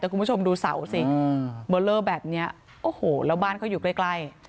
แต่คุณผู้ชมดูเสาสิเบอร์เลอร์แบบนี้โอ้โหแล้วบ้านเขาอยู่ใกล้